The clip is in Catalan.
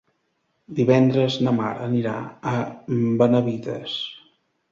Divendres na Mar anirà a Benavites.